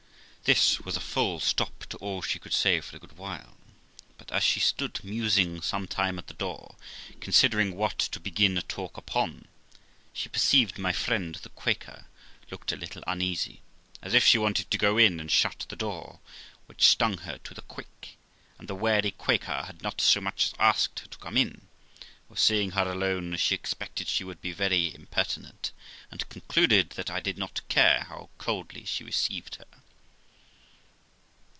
This was a full stop to all she could say for a good while; but as she 374 THE LIFB OF ROXANA stood musing some time at the door, considering what to begfn a In tic npon, she perceived my friend the Quaker looked a little uneasy, as if she wanted to go in and shut the door, which stung her to the quick ; and the wary Quaker had not so much as asked her to come in; for seeing her alone she expected she would be very impertinent, and concluded that I did not care how coldly she received her.